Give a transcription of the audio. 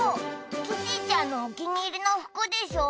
キティちゃんのお気に入りの服でしょ？